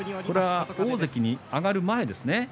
これは大関に上がる前ですね。